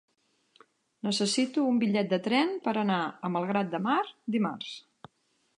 Necessito un bitllet de tren per anar a Malgrat de Mar dimarts.